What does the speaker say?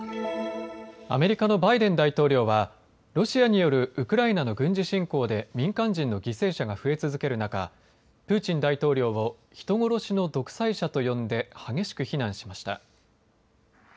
アメリカのバイデン大統領はロシアによるウクライナの軍事侵攻で民間人の犠牲者が増え続ける中、プーチン大統領を人殺しの独裁者と呼んで激しく非難しました。